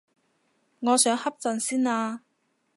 我想瞌陣先啊